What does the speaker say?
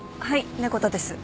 猫田です。